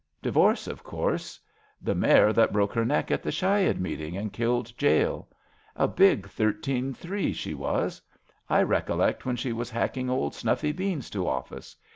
"'' Divorce, of course. '' SLEIPNEB,'^ LATE "THUEINDA '' 139 The mare that broke her neck at the Shayid meet* ing and killed Jale. A big thirteen three she was. I recollect when she was hacking old Snuffy Beans to ofSce.